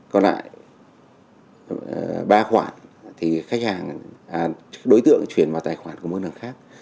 còn lại ba khoản thì khách hàng đối tượng chuyển vào tài khoản của mương đồng khác